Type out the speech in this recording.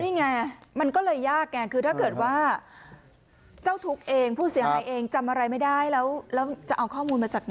นี่ไงมันก็เลยยากไงคือถ้าเกิดว่าเจ้าทุกข์เองผู้เสียหายเองจำอะไรไม่ได้แล้วจะเอาข้อมูลมาจากไหน